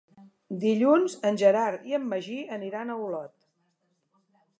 Dilluns en Gerard i en Magí aniran a Olot.